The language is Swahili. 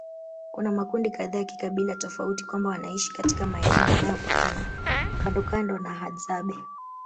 Kuna makundi kadhaa ya kikabila tofauti kwamba wanaishi katika maeneo yanayopakana kandokando na Hadzabe